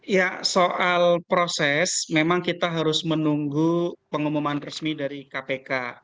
ya soal proses memang kita harus menunggu pengumuman resmi dari kpk